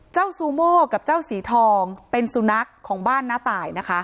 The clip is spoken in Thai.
ซูโม่กับเจ้าสีทองเป็นสุนัขของบ้านน้าตายนะคะ